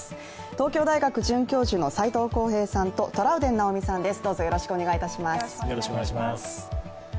東京大学准教授の斎藤幸平さんとトラウデン直美さんです。